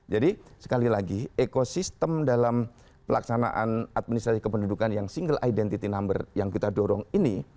jadi sekali lagi ekosistem dalam pelaksanaan administrasi kependudukan yang single identity number yang kita dorong ini